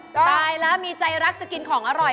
ตายแล้วมีใจรักจะกินของอร่อย